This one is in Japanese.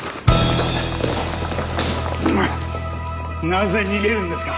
なぜ逃げるんですか？